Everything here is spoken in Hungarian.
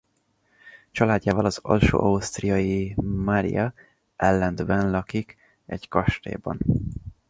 Családjával az alsó-ausztriai Maria Ellendben lakik egy kastélyban.